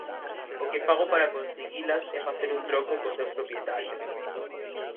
O que fago para conseguilas é facer un troco cos seus propietarios.